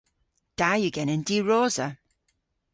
Da yw genen diwrosa.